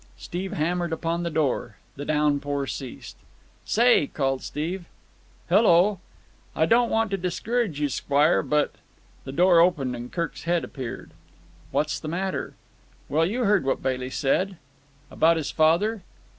Steve hammered upon the door. The downpour ceased. "Say!" called Steve. "Hello?" "I don't want to discourage you, squire, but——" The door opened and Kirk's head appeared. "What's the matter?" "Well, you heard what Bailey said?" "About his father?"